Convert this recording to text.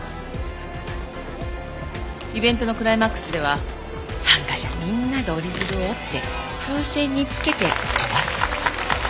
イベントのクライマックスでは参加者みんなで折り鶴を折って風船につけて飛ばす。